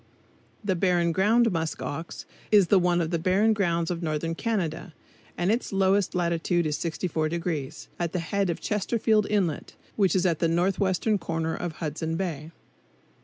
The Barren Ground Musk ox is the one of the Barren Grounds of northern Canada, and its lowest latitude is 64°, at the head of Chesterfield Inlet, which is at the northwestern corner of Hudson Bay.